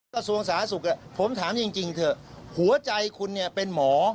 กระทรวงศาลน้าศุกร์ผมถามจริงเถอะหัวใจคุณเป็นหมอ